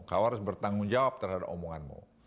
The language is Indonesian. kau harus bertanggung jawab terhadap omonganmu